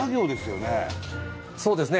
そうですね。